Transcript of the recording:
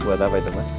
buat apa itu mas